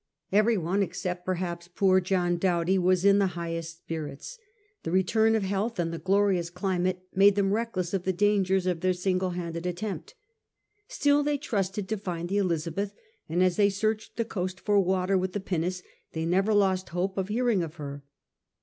Every one, except perhaps poor John Doughty, was in the highest spirits. The return of health and the glorious climate made them reckless of the dangers of their single handed attempt. Still they trusted to find the Elizabeth^ and as they searched the coast for water with the pinnace they never lost hope of hearing of her.